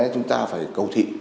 chúng ta phải cầu thị